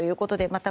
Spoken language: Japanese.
また